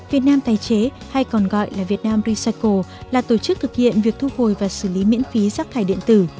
việt nam tài chế hay còn gọi là việt nam resecycle là tổ chức thực hiện việc thu hồi và xử lý miễn phí rác thải điện tử